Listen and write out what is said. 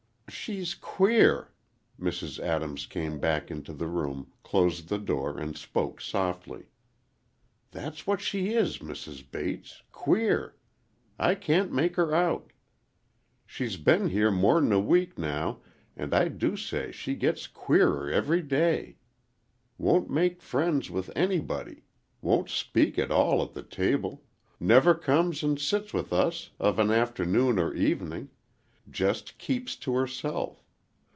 "She's queer." Mrs. Adams came back into the room, closed the door, and spoke softly. "That's what she is, Mrs. Bates, queer. I can't make her out. She's been here more'n a week now, and I do say she gets queerer every day. Won't make friends with anybody,—won't speak at all at the table,—never comes and sits with us of an afternoon or evening,—just keeps to herself.